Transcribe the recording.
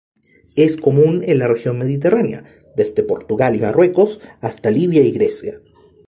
Es común en la región mediterránea, desde Portugal y Marruecos hasta Libia y Grecia.